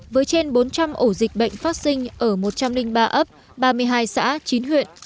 với trên bốn trăm linh ổ dịch bệnh phát sinh ở một trăm linh ba ấp ba mươi hai xã chín huyện